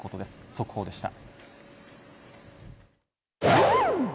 速報でした。